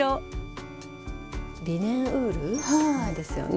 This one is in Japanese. リネンウールなんですよね。